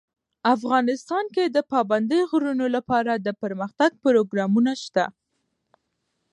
افغانستان کې د پابندي غرونو لپاره دپرمختیا پروګرامونه شته.